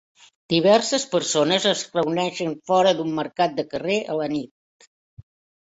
Diverses persones es reuneixen fora d'un mercat de carrer a la nit.